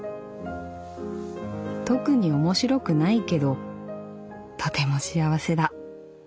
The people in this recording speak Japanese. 「特におもしろくないけどとても幸せだ。